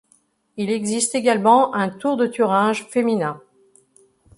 Il existe également un Tour de Thuringe féminin.